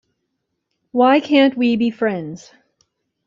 Why Can't We Be Friends?